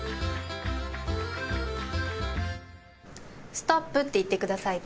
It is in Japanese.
ストップって言ってくださいね。